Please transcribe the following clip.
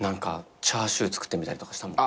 チャーシュー作ってみたりとかしたもん。